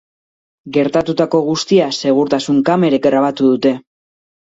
Gertatutako guztia segurtasun kamarek grabatu dute.